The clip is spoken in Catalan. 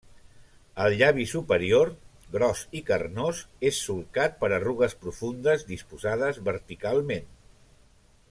El llavi superior, gros i carnós, és solcat per arrugues profundes disposades verticalment.